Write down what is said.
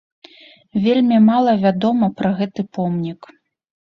Вельмі мала вядома пра гэты помнік.